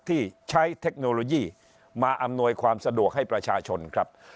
ที่ใช้เทคโนโลยีมาอำนวยความสะดวกให้ประชาชนครับ